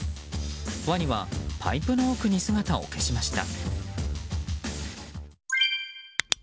ワニはパイプの奥に姿を消しました。